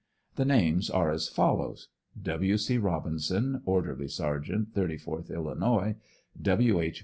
The names are as follows : W. C. Rob inson, orderly sergeant, 34th Illinois; W. H.